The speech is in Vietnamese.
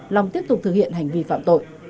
long tiếp tục thực hiện hành vi phạm tội